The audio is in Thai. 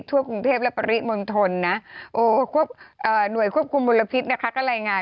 บางคนก็บอกอันนั้นดีกว่าอันนี้ดีกว่าอีกนะ